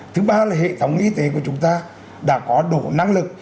thứ ba là hệ thống y tế của chúng ta đã có đủ năng lực